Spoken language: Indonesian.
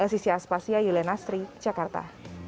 sisi aspasya yulia nasri jakarta